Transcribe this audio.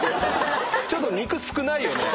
ちょっと肉少ないよね！？